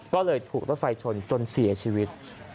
ก็เลยถูกรถไฟชนจนเสียชีวิต